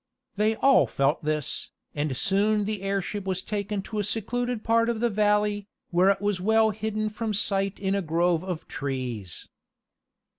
They all felt this, and soon the airship was taken to a secluded part of the valley, where it was well hidden from sight in a grove of trees.